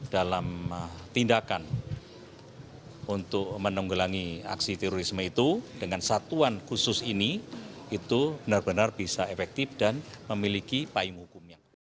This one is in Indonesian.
dalam tindakan untuk menenggelangi aksi terorisme itu dengan satuan khusus ini itu benar benar bisa efektif dan memiliki payung hukum